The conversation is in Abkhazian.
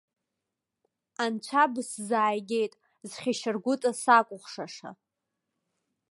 Анцәа бысзааигеит, зхьышьаргәыҵа сакәыхшаша.